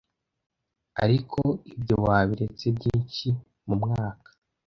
Ariko ibyo wabiretse byinshi mumwaka!